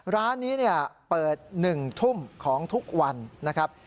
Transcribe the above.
ร้านนี้เปิด๑ทุ่มของทุกวันนะครับ